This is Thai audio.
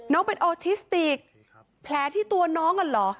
น้องเป็นออทิสติกแผลที่ตัวน้องกันเหรอ